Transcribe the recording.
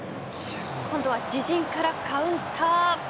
今度は自陣からカウンター。